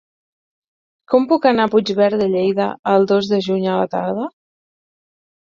Com puc anar a Puigverd de Lleida el dos de juny a la tarda?